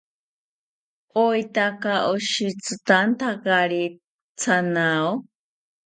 ¿Oetaka oshitzitantakari thanao?